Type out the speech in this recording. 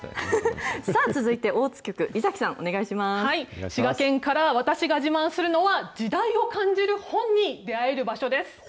続いて、大津局、猪崎さん、滋賀県からは私が自慢するのは、時代を感じる本に出会える場所です。